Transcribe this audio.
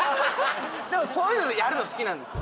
でもそういうのやるの好きなんですよ。